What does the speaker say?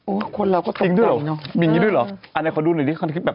โอ้วคนเราก็ตกใจเนอะมีอย่างนี้ด้วยหรออันนี้เขาดูหน่อยคลิปแบบไหน